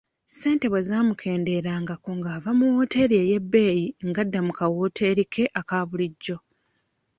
Ssente bwe zaamukenderangako ng'avaayo mu wooteeri ey'ebbeeyi ng'adda mu kawooteri ke aka bulijjo.